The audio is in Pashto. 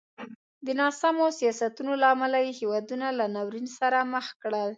د ناسمو سیاستونو له امله یې هېوادونه له ناورین سره مخ کړل.